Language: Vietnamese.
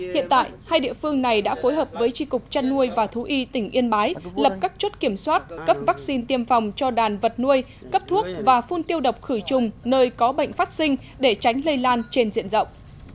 hiện tại hai địa phương này đã phối hợp với tri cục chăn nuôi và thú y tỉnh yên bái lập các chốt kiểm soát cấp vaccine tiêm phòng cho đàn vật nuôi cấp thuốc và phun tiêu độc khử trùng nơi có bệnh phát sinh để tránh lây lan trên diện rộng